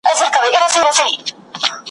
د ھرمداح، د ھرتوصیف بیان مې ولټوو